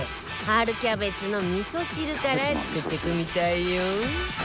春キャベツの味噌汁から作っていくみたいよ